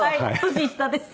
年下です。